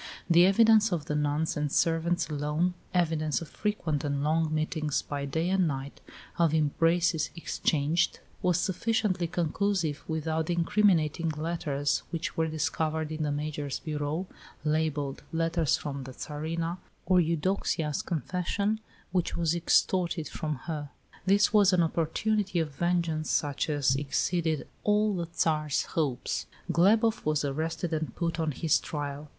The evidence of the nuns and servants alone evidence of frequent and long meetings by day and night, of embraces exchanged was sufficiently conclusive, without the incriminating letters which were discovered in the Major's bureau, labelled "Letters from the Tsarina," or Eudoxia's confession which was extorted from her. This was an opportunity of vengeance such as exceeded all the Tsar's hopes. Glebof was arrested and put on his trial.